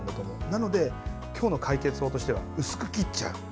なので、今日の解決法としては薄く切っちゃう。